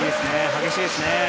激しいですね。